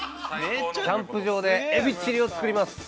◆キャンプ場でエビチリを作ります。